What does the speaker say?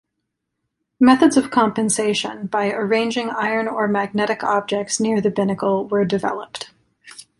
Methods of compensation by arranging iron or magnetic objects near the binnacle were developed.